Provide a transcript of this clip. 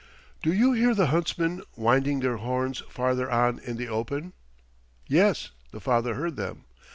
Do you hear the huntsmen winding their horns farther on in the open?" Yes, the father heard them.